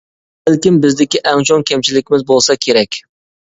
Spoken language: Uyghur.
بۇ بەلكىم بىزدىكى ئەڭ چوڭ كەمچىلىكىمىز بولسا كېرەك.